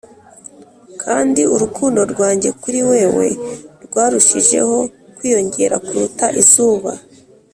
kandi urukundo rwanjye kuri wewe rwarushijeho kwiyongera kuruta izuba.